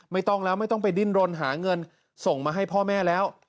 ไม่ต้องแล้วไม่ต้องไปดิ้นรนหาเงินส่งมาให้พ่อแม่แล้ว